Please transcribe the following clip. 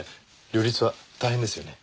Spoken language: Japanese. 両立は大変ですよね？